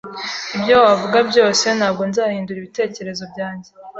Ibyo wavuga byose, ntabwo nzahindura ibitekerezo byanjye.